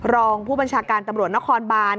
รองผู้บัญชาการตำรวจนครบาน